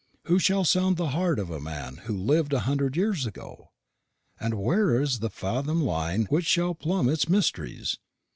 Who shall sound the heart of a man who lived a hundred years ago? and where is the fathom line which shall plumb its mysteries?